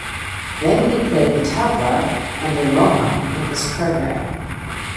Then he played the tabla under Mohan in his program.